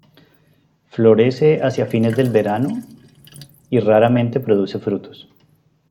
Florece hacia fines del veranos y raramente produce frutos.